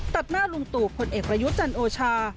ตัดหน้าลุงตู่พลเอกประยุทธ์จันโอชา